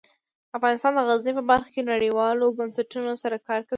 افغانستان د غزني په برخه کې نړیوالو بنسټونو سره کار کوي.